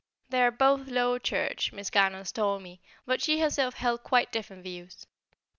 They are both Low Church, Miss Garnons told me, but she herself held quite different views.